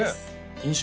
印象